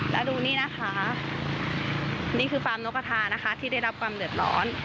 แล้วดูนี่นะคะนี่คือฟาร์มนกกระทานะคะที่ได้รับความเดือดร้อน